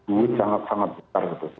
duit sangat sangat besar